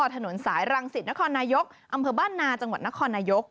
ถนนสายรังสิตนครนายกอำเภอบ้านนาจังหวัดนครนายก